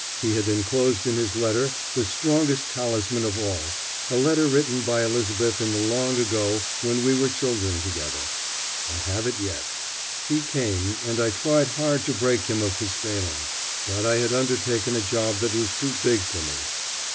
He had enclosed in his letter the strongest talisman of all, a letter written by Elizabeth in the long ago when we were children together. I have it yet. He came, and I tried hard to break him of his failing. But I had undertaken a job that was too big for me.